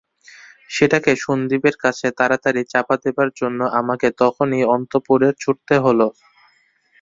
সেটাকে সন্দীপের কাছে তাড়াতাড়ি চাপা দেবার জন্যে আমাকে তখনই অন্তঃপুরে ছুটতে হল।